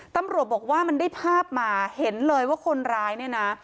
ตำรวจบอกว่ามันได้ภาพมาเห็นเลยว่าคนร้ายเนี่ยนะ